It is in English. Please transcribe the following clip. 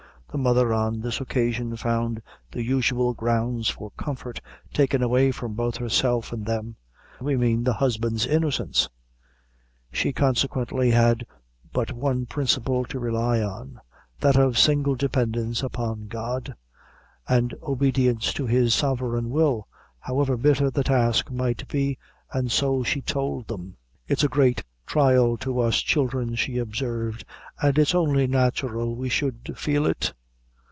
The mother, on this occasion, found the usual grounds for comfort taken away from both herself and them we mean, the husband's innocence. She consequently had but one principle to rely on that of single dependence upon God, and obedience to His sovereign will, however bitter the task might be, and so she told them. "It's a great thrial to us, children," she observed; "an' it's only natural we should feel it.